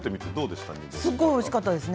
すごくおいしかったです。